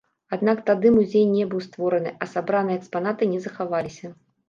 Аднак тады музей не быў створаны, а сабраныя экспанаты не захаваліся.